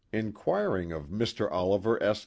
^ Inquiring of Mr. Oliver S.